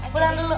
pulang dulu om